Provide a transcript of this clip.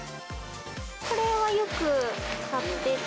これはよく買ってて。